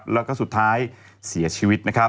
แล้วก็สุดท้ายเสียชีวิต